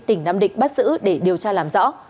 tỉnh nam định bắt giữ để điều tra làm rõ